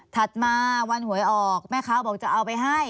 ถัดมาวันหวยออกแม่ค้าบอกจะเอาไปให้